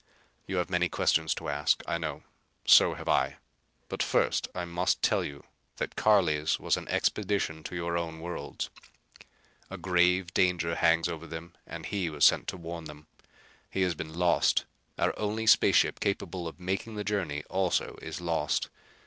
You have many questions to ask, I know. So have I. But first I must tell you that Carli's was an expedition to your own worlds. A grave danger hangs over them and he was sent to warn them. He has been lost. Our only space ship capable of making the journey also is lost.